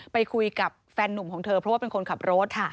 ไปคุยกับแฟนนุ่มของเธอเพราะว่าเป็นคนขับรถ